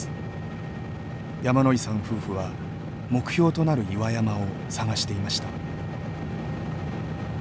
夫婦は目標となる岩山を探していました。